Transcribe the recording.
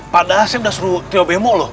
padahal saya udah suruh tio bemo loh